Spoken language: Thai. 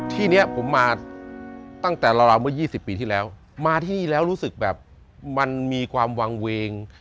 ที่เนี้ยผมมาตั้งแต่ราวเมื่อ๒๐ปีที่แล้วมาที่นี่แล้วรู้สึกแบบมันมีความวางเวง